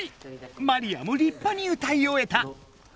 マリアもりっぱに歌いおえた！